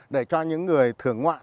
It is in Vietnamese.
để cho những người thường ngoạn